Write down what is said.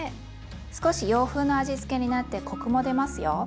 少し洋風の味付けになってコクも出ますよ。